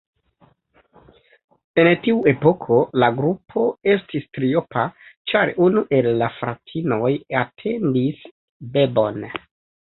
En tiu epoko la grupo estis triopa, ĉar unu el la fratinoj atendis bebon.